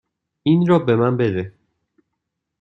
این را به من بده.